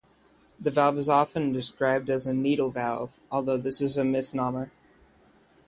The valve is often described as a needle valve, although this is a misnomer.